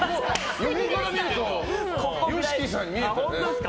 横から見るとＹＯＳＨＩＫＩさんに。